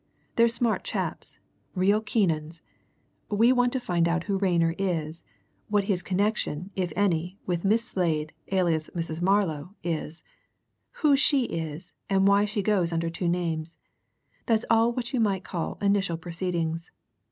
"They're smart chaps real keen 'uns. We want to find out who Rayner is; what his connection, if any, with Miss Slade, alias Mrs. Marlow, is; who she is, and why she goes under two names. That's all what you might call initial proceedings.